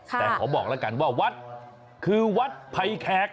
แต่ขอบอกแล้วกันว่าวัดคือวัดไพแขก